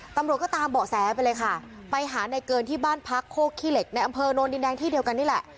ตำรวจก็ตามเบาะแสไปเลยค่ะไปหาในเกินที่บ้านพักโคกขี้เหล็กในอำเภอโนนดินแดงที่เดียวกันนี่แหละ